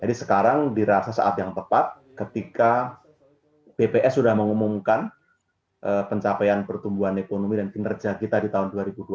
jadi sekarang dirasa saat yang tepat ketika bps sudah mengumumkan pencapaian pertumbuhan ekonomi dan kinerja kita di tahun dua ribu dua puluh